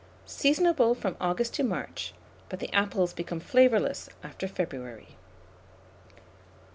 Seasonable from August to March; but the apples become flavourless after February.